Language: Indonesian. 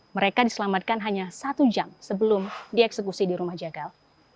mereka diselamatkan hanya satu jam sebelum dieksekusi di rumah jagal